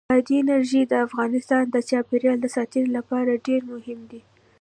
بادي انرژي د افغانستان د چاپیریال ساتنې لپاره ډېر مهم دي.